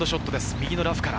右のラフから。